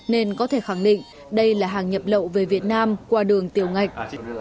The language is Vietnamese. nên có thể khẳng định đây là hàng nhập lậu về việt nam qua đường tiểu ngạch